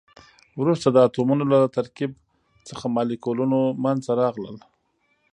وروسته د اتمونو له ترکیب څخه مالیکولونه منځ ته راغلل.